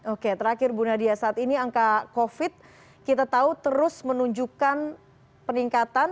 oke terakhir bu nadia saat ini angka covid sembilan belas kita tahu terus menunjukkan peningkatan kenaikan dan peningkatan